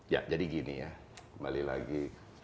ya jadi gini ya kembali lagi